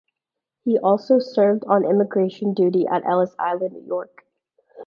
He also served on immigration duty at Ellis Island, New York.